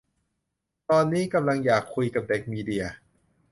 ตอนนี้ กำลังอยากคุยกับเด็กมีเดีย